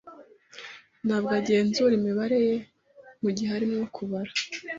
Ntabwo agenzura imibare ye mugihe arimo kubara.